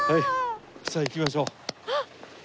さあ行きましょう。